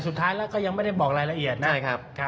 สุดท้ายแล้วก็ยังไม่ได้บอกรายละเอียดนะครับ